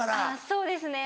そうですね